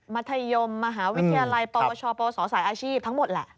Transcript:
มัธยมมหาวิทยาลัยประวัติศาสตร์ประวัติศาสตร์สายอาชีพทั้งหมดแหละ